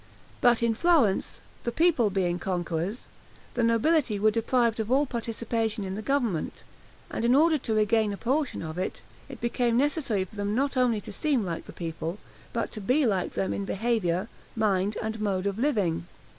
But in Florence, the people being conquerors, the nobility were deprived of all participation in the government; and in order to regain a portion of it, it became necessary for them not only to seem like the people, but to be like them in behavior, mind, and mode of living.